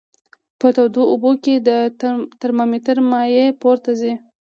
په تودو اوبو کې د ترمامتر مایع پورته ځي.